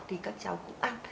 thì các cháu cũng ăn